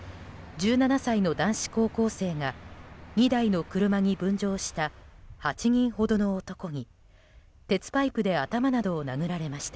１７歳の男子高校生が２台の車に分乗した８人ほどの男に鉄パイプで頭などを殴られました。